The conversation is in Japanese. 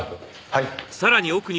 はい。